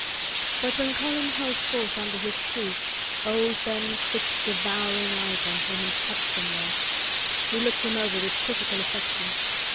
But when Colin held forth under his tree old Ben fixed devouring eyes on him and kept them there. He looked him over with critical affection.